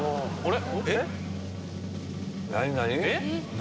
何？